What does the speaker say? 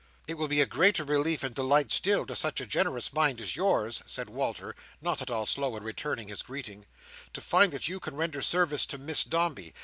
"It will be a greater relief and delight still, to such a generous mind as yours," said Walter, not at all slow in returning his greeting, "to find that you can render service to Miss Dombey.